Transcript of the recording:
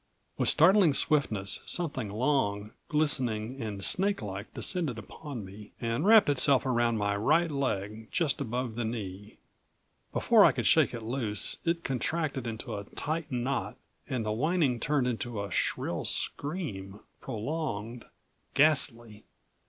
With startling swiftness something long, glistening and snakelike descended upon me and wrapped itself around my right leg just above the knee. Before I could shake it loose it contracted into a tight knot and the whining turned into a shrill scream, prolonged, ghastly.